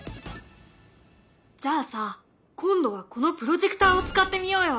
じゃあさ今度はこのプロジェクターを使ってみようよ！